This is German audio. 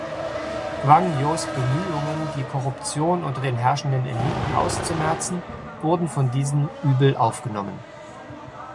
Gwang-Jos Bemühungen, die Korruption unter den herrschenden Eliten auszumerzen, wurden von diesen übel aufgenommen.